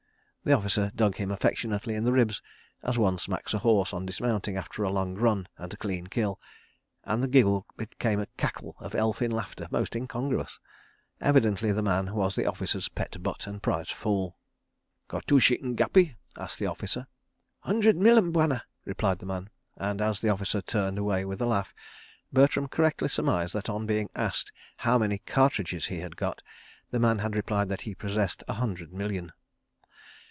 The officer dug him affectionately in the ribs, as one smacks a horse on dismounting after a long run and a clean kill, and the giggle became a cackle of elfin laughter most incongruous. Evidently the man was the officer's pet butt and prize fool. "Cartouchie n'gapi?" asked the officer. "Hundrem millium, Bwana," replied the man, and as the officer turned away with a laugh, Bertram correctly surmised that on being asked how many cartridges he had got, the man had replied that he possessed a hundred million.